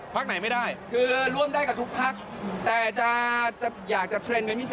ป็อตเป็นไหว้รัฐบาลเนี่ย